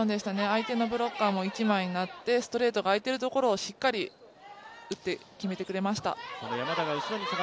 相手のブロッカーも一枚になってストレートがあいているところをしっかり打って、決めてくれました。